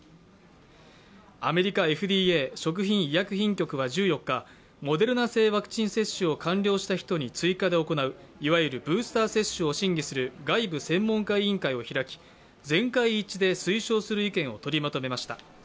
アメリカＦＤＡ＝食品医薬品局は１４日、モデルナ製ワクチン接種を完了した人に追加で行ういわゆるブースター接種を審議する外部専門家委員会を開き全会一致で推奨する意見を取りまとめました。